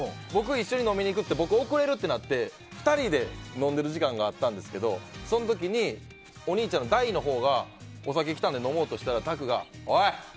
一緒に飲みに行って僕遅れるってなって２人で飲んでる時間があったんですけどその時にお兄ちゃんの大のほうが先に来たので飲もうとしたら、拓がおい！